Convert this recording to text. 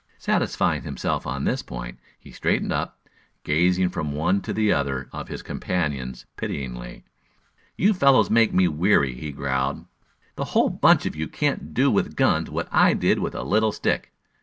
Satisfying himself on this point, he straightened up, gazing from one to the other of his companions pityingly. "You fellows make me weary," he growled. "The whole bunch of you can't do with guns what I did with a little stick.